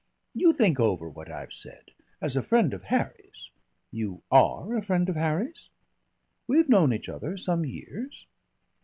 You think over what I have said. As a friend of Harry's. You are a friend of Harry's?" "We've known each other some years."